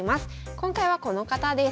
今回はこの方です。